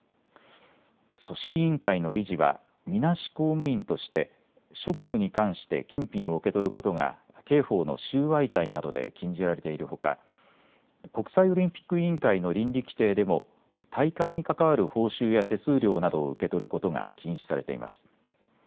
組織委員会の理事はみなし公務員として職務に関して金品を受け取ることが刑法の収賄罪などで禁じられているほか国際オリンピック委員会の倫理規定でも大会に関わる報酬や手数料などを受け取ることが禁止されています。